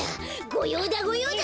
ごようだごようだ！